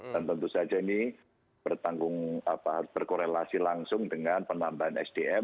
dan tentu saja ini berkorelasi langsung dengan penambahan sdm